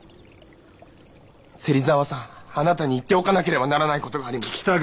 芹沢さんあなたに言っておかなければならない事があります。